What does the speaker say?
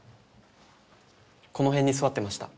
この辺に座ってました。